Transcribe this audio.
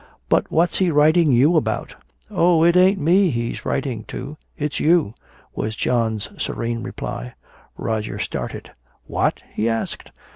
"But what's he writing you about?" "Oh, it ain't me he's writing to it's you," was John's serene reply. Roger started. "What?" he asked.